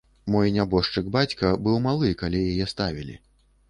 Мой нябожчык бацька быў малы, калі яе ставілі.